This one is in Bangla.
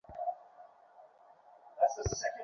এমন আমাদের সবার সাথেই হয়েছে।